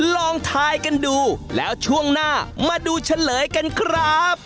ลองทายกันดูแล้วช่วงหน้ามาดูเฉลยกันครับ